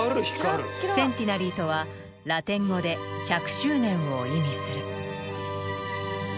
センティナリーとはラテン語で「１００周年」を意味する。